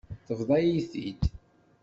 Tebḍa-yi-t-id.